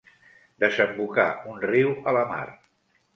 Desembocar un riu a la mar.